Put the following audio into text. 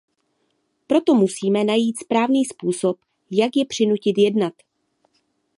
Proto musíme najít správný způsob, jak je přinutit jednat.